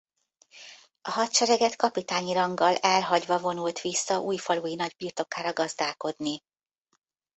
A hadsereget kapitányi ranggal elhagyva vonult vissza újfalui nagybirtokára gazdálkodni.